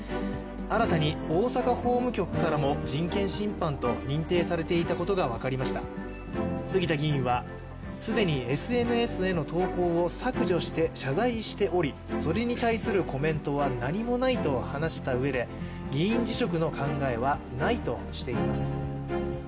新たに大阪法務局からも人権侵犯と認定されていたことが分かりました杉田議員は既にＳＮＳへの投稿を削除して謝罪しておりそれに対するコメントは何もないと話したうえで、議員辞職の考えはないとしています。